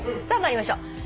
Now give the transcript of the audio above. さあ参りましょう。